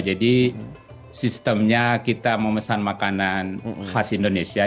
jadi sistemnya kita memesan makanan khas indonesia